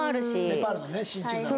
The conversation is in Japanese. ネパールのね真鍮皿ね。